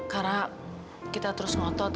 karena kita terus ngotot